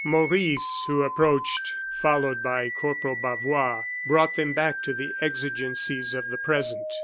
Maurice, who approached, followed by Corporal Bavois, brought them back to the exigencies of the present.